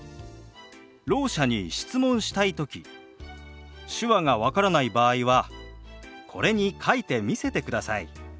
ろう者に質問したい時手話が分からない場合はこれに書いて見せてください。